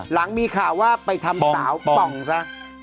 หลังมีข่าวว่าไปทำสาวป่องซะ